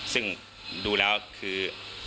ซึ่งดูแล้วคือ